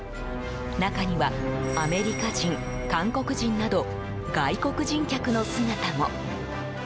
中には、アメリカ人、韓国人など外国人客の姿も。